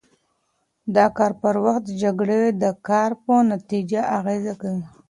د کار پر وخت جکړې د کار په نتیجه اغېز کوي.